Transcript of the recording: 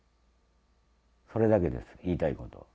それだけです、言いたいこと。